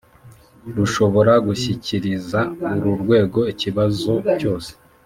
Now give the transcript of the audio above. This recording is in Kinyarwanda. Rushobora gushyikiriza uru rwego ikibazo cyose